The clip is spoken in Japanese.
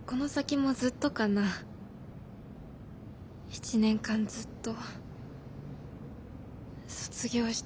１年間ずっと卒業してもずっと。